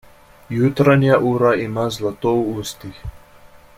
Jutranja ura ima zlato v ustih.